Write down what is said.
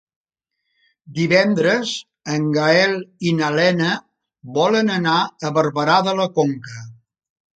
Divendres en Gaël i na Lena volen anar a Barberà de la Conca.